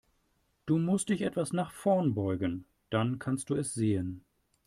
Du musst dich etwas nach vorn beugen, dann kannst du es sehen.